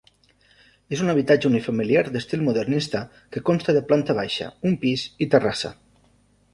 És un habitatge unifamiliar d'estil modernista que consta de planta baixa, un pis i terrassa.